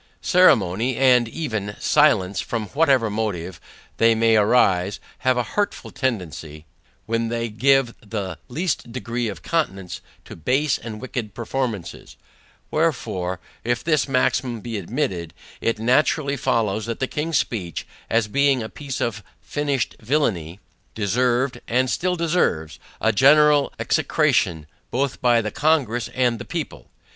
Ceremony, and even, silence, from whatever motive they may arise, have a hurtful tendency, when they give the least degree of countenance to base and wicked performances; wherefore, if this maxim be admitted, it naturally follows, that the King's Speech, as being a piece of finished villany, deserved, and still deserves, a general execration both by the Congress and the people.